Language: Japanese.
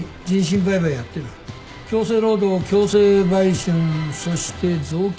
強制労働強制売春そして臓器密売。